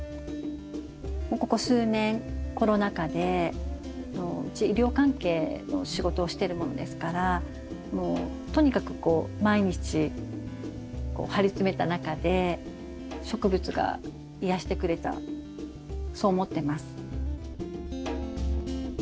ここ数年コロナ禍でうち医療関係の仕事をしてるものですからもうとにかくこう毎日張り詰めた中で植物が癒やしてくれたそう思ってます。